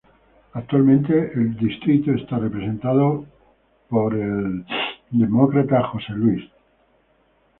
Actualmente el distrito está representado por el Demócrata John Lewis.